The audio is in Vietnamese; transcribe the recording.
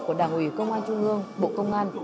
của đảng ủy công an trung ương bộ công an